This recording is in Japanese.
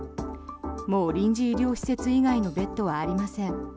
もう臨時医療施設以外のベッドはありません。